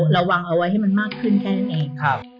ระวังเอาไว้ให้มันมากขึ้นแค่นั้นเอง